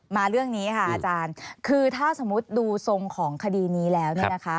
มาเรื่องนี้ค่ะอาจารย์คือถ้าสมมุติดูทรงของคดีนี้แล้ว